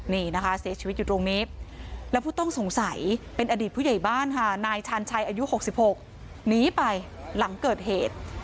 นี่นะคะเสียชีวิตอยู่ตรงนี้แล้วผู้ต้องสงสัยเป็นอดีตผู้ใหญ่บ้านค่ะนายชาญชัยอายุ๖๖หนีไปหลังเกิดเหตุ